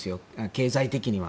経済的には。